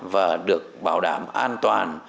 và được bảo đảm an toàn